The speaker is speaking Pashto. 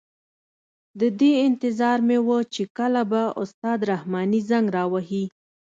د دې انتظار مې وه چې کله به استاد رحماني زنګ را وهي.